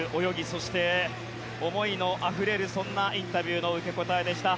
そして、思いのあふれるインタビューの受け答えでした。